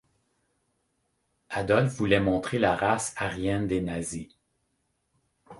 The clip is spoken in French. Adolf voulait montrer la race aryenne des nazis.